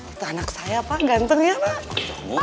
itu anak saya pak gantengnya pak